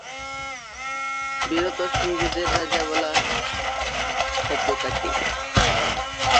বিরহ-সঙ্গীত রাজা বলা হত তাকে।